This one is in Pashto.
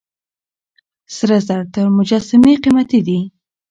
سره زر تر مجسمې قيمتي دي.